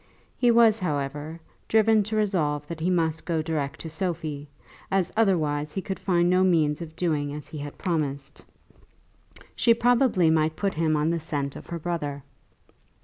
He was, however, driven to resolve that he must go direct to Sophie, as otherwise he could find no means of doing as he had promised. She probably might put him on the scent of her brother.